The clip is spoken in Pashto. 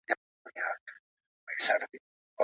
د مسمومیت مخنیوی تر درملنې غوره دی.